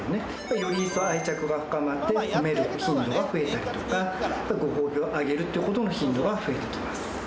より一層愛着が深まって褒める頻度が増えたりとかご褒美をあげるっていう事の頻度が増えていきます。